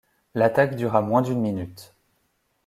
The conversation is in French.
L’attaque dura moins d'une minute.